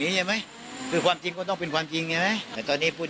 ใช่ไหมคือความจริงก็ต้องเป็นความจริงใช่ไหมแต่ตอนนี้พูด